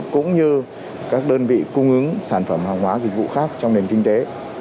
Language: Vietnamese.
cũng như các đơn vị cung ứng sản phẩm hàng hóa dịch vụ khác trong nền kinh tế